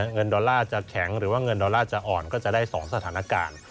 ดอลลาร์จะแข็งหรือว่าเงินดอลลาร์จะอ่อนก็จะได้๒สถานการณ์